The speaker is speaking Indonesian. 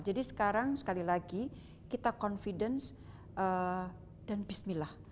jadi sekarang sekali lagi kita confidence dan bismillah